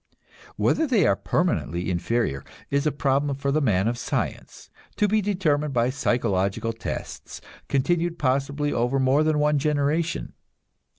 Whether they are permanently inferior is a problem for the man of science, to be determined by psychological tests, continued possibly over more than one generation.